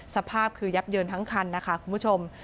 สภาพคือยับเยินทั้งคันนะคะคุณผู้ชม